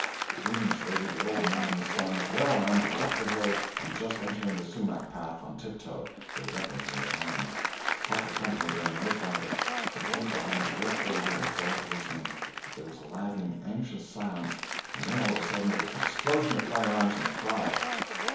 Three minutes later the old man and his sons, well armed, were up the hill, and just entering the sumach path on tiptoe, their weapons in their hands. Huck accompanied them no further. He hid behind a great bowlder and fell to listening. There was a lagging, anxious silence, and then all of a sudden there was an explosion of firearms and a cry.